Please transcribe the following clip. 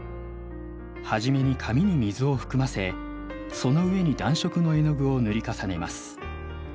初めに紙に水を含ませその上に暖色の絵の具を塗り重ねます。